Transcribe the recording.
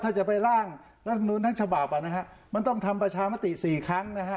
ถ้าจะไปร่างรัฐมนุนทั้งฉบับอ่ะนะฮะมันต้องทำประชามติ๔ครั้งนะฮะ